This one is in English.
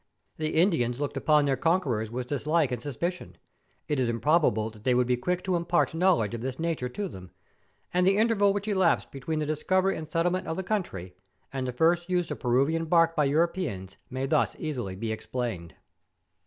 The Indians looked upon their conquerors with dislike and suspicion ; it is improbable that they would be quick to impart knowledge of this nature to them; and the interval which elapsed between the discovery and settlement of the country and the first use of Peruvian bark by Europeans may thus easily be explained.